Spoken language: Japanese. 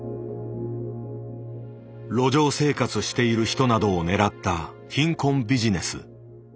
路上生活している人などを狙った貧困ビジネス。